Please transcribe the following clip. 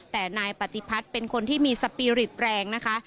แต่นายปฏิพัฒน์เป็นคนที่มีสปีริตแรงนะคะ